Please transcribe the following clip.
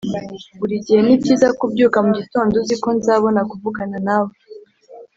burigihe nibyiza kubyuka mugitondo uzi ko nzabona kuvugana nawe.